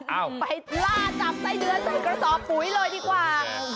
เอาไปล่าจับไส้เดือนใส่กระสอบปุ๋ยเลยดีกว่า